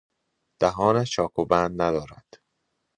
دهانش چاک و بند ندارد.